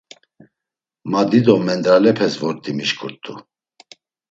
Ma dido mendralepes vort̆i mişǩurt̆u.